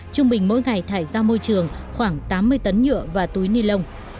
trung bình mỗi ngày thải ra môi trường khoảng tám mươi tấn nhựa và túi ni lông